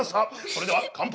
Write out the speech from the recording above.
それでは乾杯！